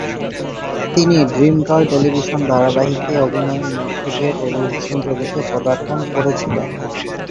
তিনি "dream girl" television ধারাবাহিকে অভিনয়ের মধ্য দিয়ে টেলিভিশন জগতে পদার্পণ করেছিলেন।